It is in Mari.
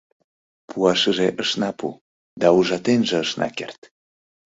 — Пуашыже ышна пу, да ужатенже ышна керт.